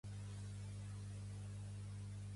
Pertany al moviment independentista la Xenoa?